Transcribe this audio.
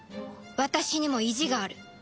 私にも意地がある